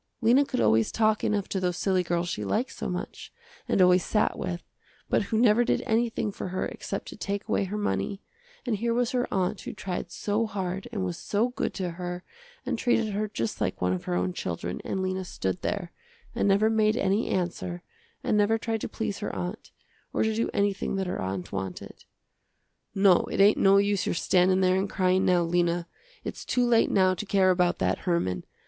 Lena could always talk enough to those silly girls she liked so much, and always sat with, but who never did anything for her except to take away her money, and here was her aunt who tried so hard and was so good to her and treated her just like one of her own children and Lena stood there, and never made any answer and never tried to please her aunt, or to do anything that her aunt wanted. "No, it ain't no use your standin' there and cryin', now, Lena. Its too late now to care about that Herman.